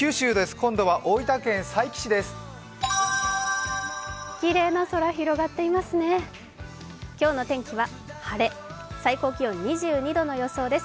今度は大分県佐伯市です。